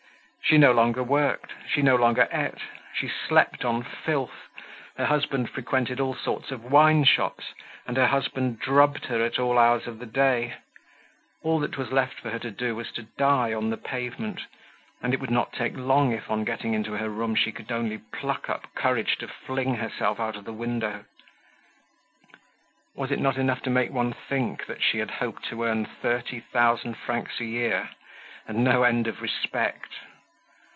She no longer worked, she no longer ate, she slept on filth, her husband frequented all sorts of wineshops, and her husband drubbed her at all hours of the day; all that was left for her to do was to die on the pavement, and it would not take long if on getting into her room, she could only pluck up courage to fling herself out of the window. Was it not enough to make one think that she had hoped to earn thirty thousand francs a year, and no end of respect?